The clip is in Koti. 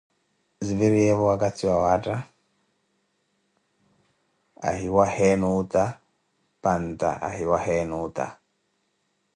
Ziviriyeeyo wakathi wawaatta ahiwaheeni otta, panta ahiwayeni ota.